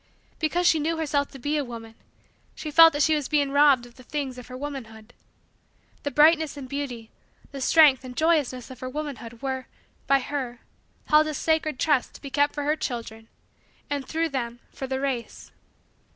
Because she knew herself to be a woman, she felt that she was being robbed of the things of her womanhood. The brightness and beauty, the strength and joyousness of her womanhood were, by her, held as sacred trusts to be kept for her children and, through them, for the race.